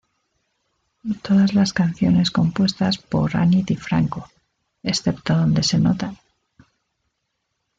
Todas las canciones compuestas por Ani DiFranco, excepto dónde se nota.